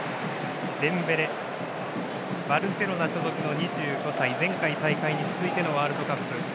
デンベレバルセロナ所属の２５歳前回大会に続いてのワールドカップ。